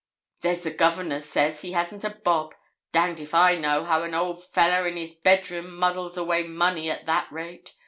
'There's the Governor says he hasn't a bob! Danged if I know how an old fellah in his bed room muddles away money at that rate.